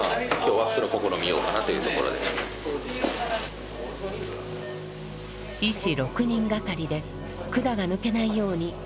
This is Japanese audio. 医師６人がかりで管が抜けないようにうつ伏せにします。